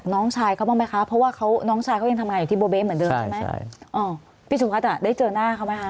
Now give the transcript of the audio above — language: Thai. น้องชายเขายังทำงานอยู่ที่โบเบสเหมือนเดิมใช่ไหมพี่ฉุกรัฐได้เจอหน้าเขาไหมคะ